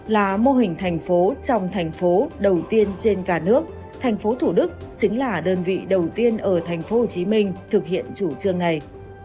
là mô hình thành phố trong thành phố đầu tiên trên cả nước thành phố thủ đức chính là đơn vị đầu tiên ở thành phố hồ chí minh thực hiện chủ trương này